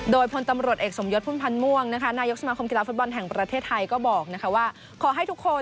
โดยพลตำรวจเอกสมยศพุนภัณฑ์ม่วงนะคะนายกสมคมกีฬาฟุตบอลแห่งประเทศไทยก็บอกนะคะว่า